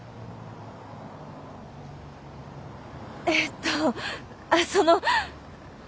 えっとあっその。